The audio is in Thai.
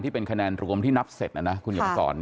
เป็นคะแนนรวมที่นับเสร็จนะนะคุณเขียนมาสอน